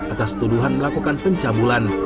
atas tuduhan melakukan pencambulan